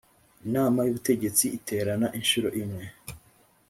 inama y ubutegetsi iterana inshuro imwe